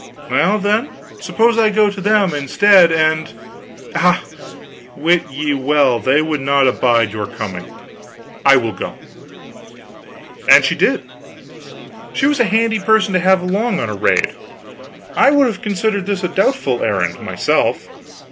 "Well, then, suppose I go to them instead, and " "Ah, wit ye well they would not abide your coming. I will go." And she did. She was a handy person to have along on a raid. I would have considered this a doubtful errand, myself.